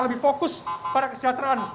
lebih fokus pada kesejahteraan